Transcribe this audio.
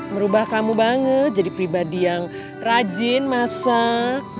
merubah kamu banget jadi pribadi yang rajin masak